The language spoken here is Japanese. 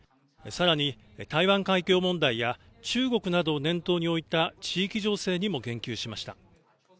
更に台湾海峡問題や中国などを年頭に置いた地域情勢にも言及しました。